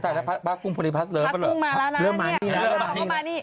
ตายแล้วภาพกรุงพลิพัศน์เริ่มหรือภาพกรุงมาแล้วน่ะนี่เริ่มมานี่เริ่มมานี่